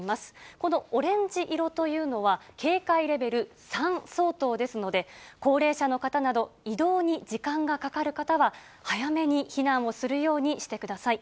このオレンジ色というのは、警戒レベル３相当ですので、高齢者の方など、移動に時間がかかる方は、早めに避難をするようにしてください。